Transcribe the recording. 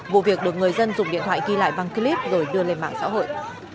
vụ việc được người dân dùng điện thoại ghi lại băng clip rồi đưa lên mạng xã hội